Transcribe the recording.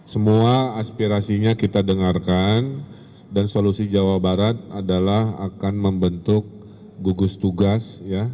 semua aspirasinya kita dengarkan dan solusi jawa barat adalah akan membentuk gugus tugas